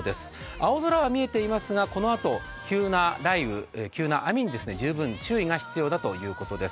青空は見えていますが、このあと急な雷雨、急な雨に十分注意が必要だということです。